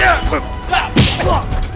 ya ampun ya ampun